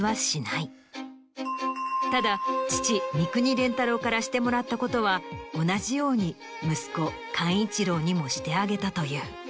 ただ父三國連太郎からしてもらったことは同じように息子寛一郎にもしてあげたという。